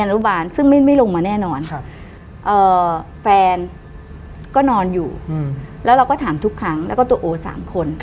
ไม่ลงมาแน่นอนแฟนก็นอนอยู่แล้วเราก็ถามทุกครั้งแล้วก็ตัวโอ๓คน